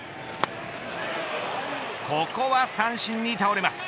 ここは三振に倒れます。